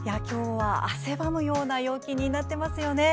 きょうは汗ばむような陽気になっています。